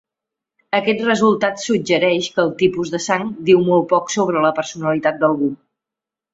Aquest resultat suggereix que el tipus de sang diu molt poc sobre la personalitat d'algú.